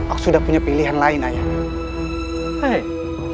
aku sudah punya pilihan lain ayah